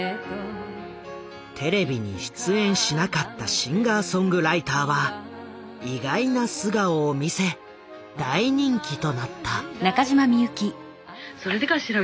テレビに出演しなかったシンガーソングライターは意外な素顔を見せ大人気となった。